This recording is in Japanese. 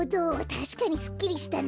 たしかにすっきりしたな。